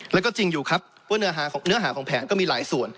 แล้วก็จริงอยู่ครับว่าเนื้อหาของแผนก็มีหลายส่วน